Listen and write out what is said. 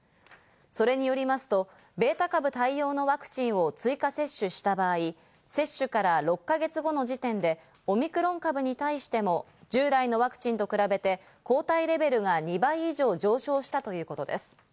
それによりますとベータ株対応のワクチンを追加接種した場合、接種から６か月後の時点でオミクロン株に対しても従来のワクチンと比べて抗体レベルが２倍以上上昇したということです。